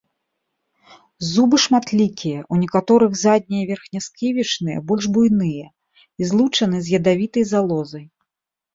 Зубы шматлікія, у некаторых заднія верхнясківічныя больш буйныя і злучаны з ядавітай залозай.